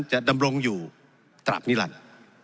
ดำรงอยู่ตราบนิรันดิ์